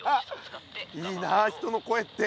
いいな人の声って。